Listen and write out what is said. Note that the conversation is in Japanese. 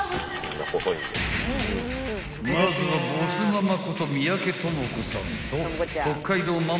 ［まずはボスママこと三宅智子さんと北海道ママ